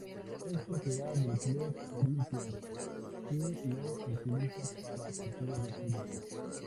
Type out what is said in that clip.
Es propiedad del club Corinthians, que lo utiliza para partidos de fútbol.